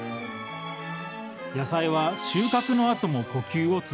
野菜は収穫のあとも呼吸を続けます。